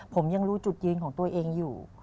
ผมยังรู้จุดยืนของตัวเองอยู่